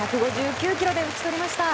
１５９キロで打ち取りました。